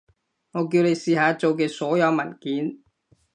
我叫你試下做嘅所有文件